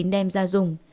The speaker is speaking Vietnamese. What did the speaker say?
đem ra dùng